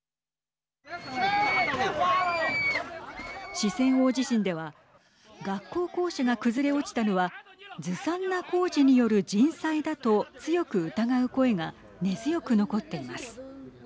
四川大地震では学校校舎が崩れ落ちたのはずさんな工事による人災だと強く疑う声が根強く残っています。